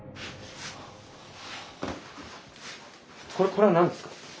これは何ですか？